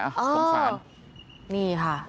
ภายคลอศักดิ์หลวก